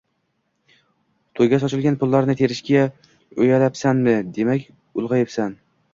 To'yga sochilgan pullarni terishga uyalyapsanmi? - Demak ulg'ayibsan!